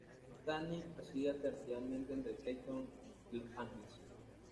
Tanit reside alternativamente entre Cape Town y Los Ángeles.